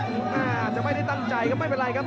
อาจจะไม่ได้ตั้งใจครับไม่เป็นไรครับ